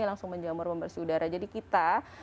langsung menjamur pembersih udara jadi kita